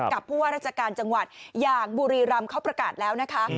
ผู้ว่าราชการจังหวัดอย่างบุรีรำเขาประกาศแล้วนะคะ